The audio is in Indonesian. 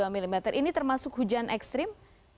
sembilan puluh dua milimeter ini termasuk hujan ekstrim